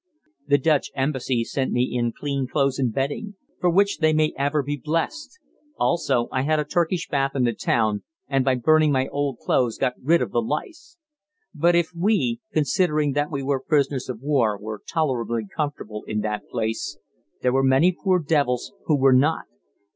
The Dutch embassy sent me in clean clothes and bedding, for which may they ever be blessed! Also I had a Turkish bath in the town, and by burning my old clothes got rid of the lice. But if we, considering that we were prisoners of war, were tolerably comfortable in that place, there were many poor devils who were not.